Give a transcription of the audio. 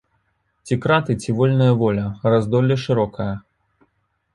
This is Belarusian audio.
Ці краты, ці вольная воля, раздолле шырокае.